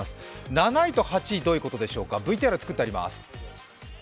７位と８位はどういうことでしょうか、ＶＴＲを作っています。